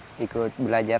saya seru belajar